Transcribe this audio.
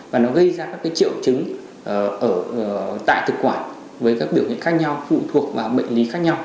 và nó gây ra các triệu chứng tại thực quản với các biểu hiện khác nhau phụ thuộc vào bệnh lý khác nhau